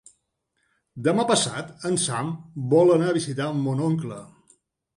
Demà passat en Sam vol anar a visitar mon oncle.